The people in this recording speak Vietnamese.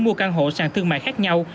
mua căn hộ sàn thương mại khác nhau